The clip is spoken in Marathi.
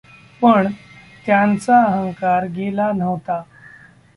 पण त् यांचा अहंकार गेला नव्हता.